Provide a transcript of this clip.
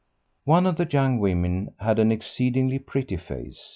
One of the young women had an exceedingly pretty face.